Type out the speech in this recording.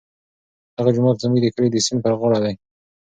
دغه جومات زموږ د کلي د سیند پر غاړه دی.